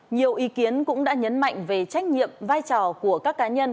nhiều ý kiến cũng đã nhấn mạnh về trách nhiệm vai trò của các cá nhân